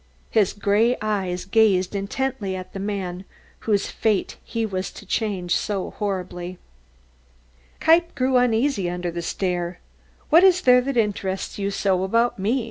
His grey eyes gazed intently at the man whose fate he was to change so horribly. Kniepp grew uneasy under the stare. "What is there that interests you so about me?"